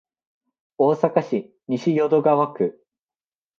大阪市西淀川区